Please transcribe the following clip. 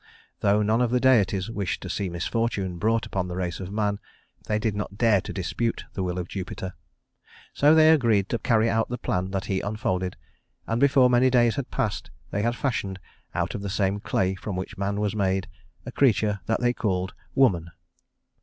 Though none of the deities wished to see misfortune brought upon the race of man, they did not dare to dispute the will of Jupiter. So they agreed to carry out the plan that he unfolded, and before many days had passed they had fashioned, out of the same clay from which man was made, a creature that they called woman.